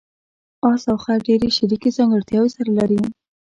اس او خر ډېرې شریکې ځانګړتیاوې سره لري.